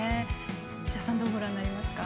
岸田さん、どうご覧になりますか。